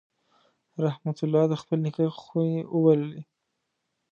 رحمت الله د خپل نیکه خونې وبللې.